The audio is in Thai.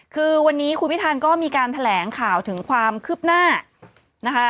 คือวันนี้คุณพิธานก็มีการแถลงข่าวถึงความคืบหน้านะคะ